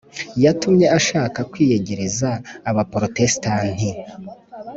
yatumye ashaka kwiyegereza abaporotesitanti